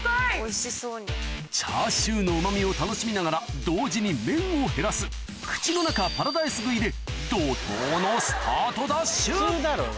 チャーシューのうま味を楽しみながら同時に麺を減らすで怒濤のスタートダッシュ！